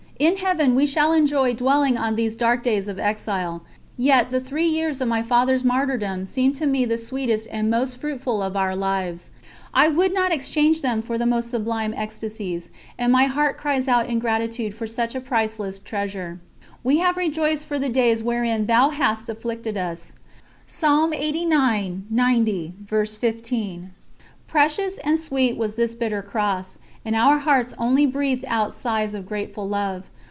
In Heaven, we shall enjoy dwelling on these dark days of exile. Yet the three years of my Father's martyrdom seem to me the sweetest and most fruitful of our lives. I would not exchange them for the most sublime ecstasies, and my heart cries out in gratitude for such a priceless treasure: "We have rejoiced for the days wherein Thou hast afflicted us." Precious and sweet was this bitter cross, and our hearts only breathed out sighs of grateful love.